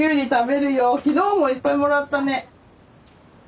昨日もいっぱいもらったね。